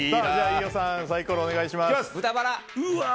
飯尾さんサイコロお願いします。